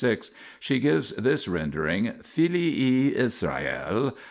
36, she gives this rendering filii Israel